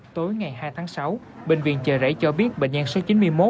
tối ngày hai tháng sáu bệnh viện chợ rẫy cho biết bệnh nhân số chín mươi một